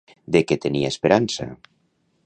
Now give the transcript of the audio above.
De què tenia esperança?